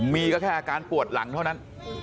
มีก็แค่อาการปวดหลังเท่านั้น